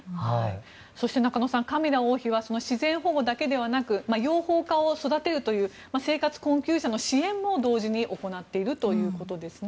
そして、カミラ王妃は自然保護だけではなく養蜂家を育てるという生活困窮者への支援も同時に行っているということですね。